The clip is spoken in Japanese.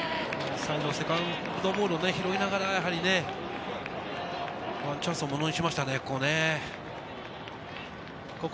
サイド、セカンドボールを拾いながら、ワンチャンスをものにしましたね、ここね。